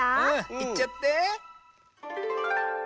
いっちゃって。